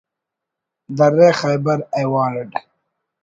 درہ خیبر ایوارڈ